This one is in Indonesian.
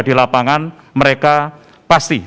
di lapangan mereka pasti